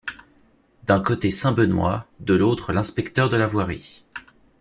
D’un côté saint Benoît ; de l’autre l’inspecteur de la voirie!